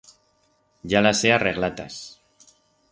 Ya las he arreglatas.